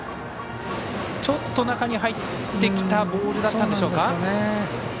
ちょっと中に入ってきたボールだったんでしょうか。